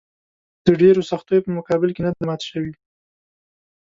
د ډېرو سختیو په مقابل کې نه دي مات شوي.